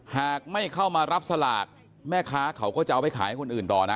หากไม่เข้ามารับสลากแม่ค้าเขาก็จะเอาไปขายให้คนอื่นต่อนะ